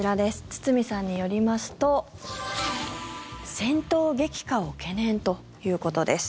堤さんによりますと戦闘激化を懸念ということです。